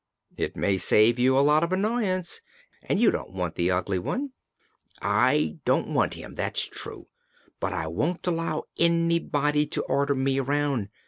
"It may save you a lot of annoyance. And you don't want the Ugly One." "I don't want him; that's true. But I won't allow anybody to order me around.